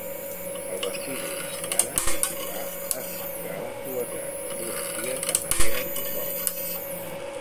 Al vestíbul d'entrada circular es mostraven dues grans fotografies de manera simbòlica.